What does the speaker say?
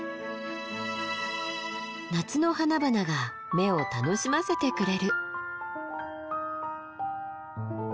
夏の花々が目を楽しませてくれる。